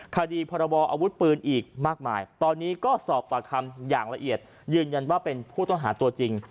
คดีพรบออาวุธปืนอีกมากมายตอนนี้ก็สอบปากคำอย่างละเอียดยืนยันว่าเป็นผู้ต้องหาตัวจริง